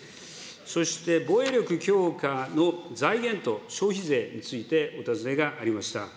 そして防衛力強化の財源と消費税についてお尋ねがありました。